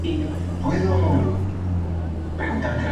Su demarcación era la de delantero.